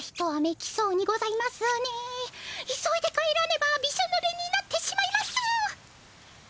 急いで帰らねばびしょぬれになってしまいます！